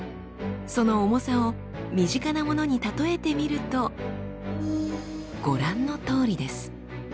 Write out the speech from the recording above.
その重さを身近なものに例えてみるとご覧のとおりです。